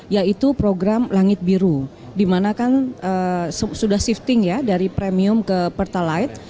yaitu program langit biru di mana kan sudah shifting ya dari premium ke pertalite